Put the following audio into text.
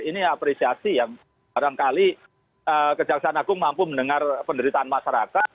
ini apresiasi yang barangkali kejaksaan agung mampu mendengar penderitaan masyarakat